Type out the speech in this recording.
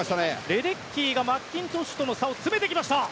レデッキーがマッキントッシュとの差を詰めてきました。